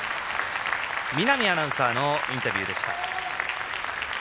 見浪アナウンサーのインタビューでした。